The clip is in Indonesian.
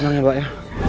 emang ya mbak ya